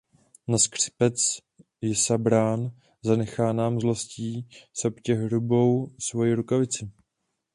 Na skřipec jsa brán, zanechá nám zlostí soptě hrubou svoji rukavici.